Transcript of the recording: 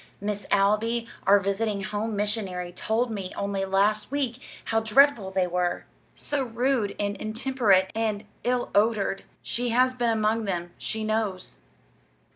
Miss Alby, our visiting home missionary, told me only last week how dreadful they were so rude and intemperate and and ill odored. She has been among them. She knows."